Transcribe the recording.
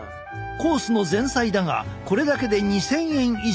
コースの前菜だがこれだけで２，０００円以上。